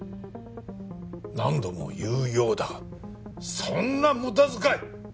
何度も言うようだがそんな無駄遣い